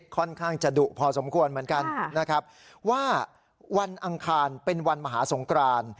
ค่อนข้างจะดุพอสมควรเหมือนกันนะครับว่าวันอังคารเป็นวันมหาสงคราน